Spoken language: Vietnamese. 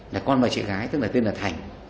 là con và chị gái tên là thành